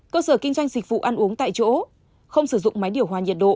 cơ sở kinh doanh dịch vụ ăn uống tại chỗ không sử dụng máy điều hòa nhiệt độ